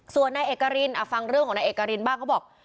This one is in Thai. ส่วนนายเอกรินฟังเรื่องของนายเอกรินบ้างเขาบอก